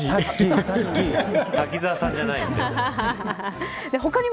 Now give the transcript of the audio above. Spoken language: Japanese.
滝沢さんじゃないんだから。